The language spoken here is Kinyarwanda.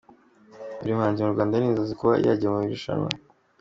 Buri muhanzi mu Rwanda ni inzozi kuba yajya muri iri rushanwa.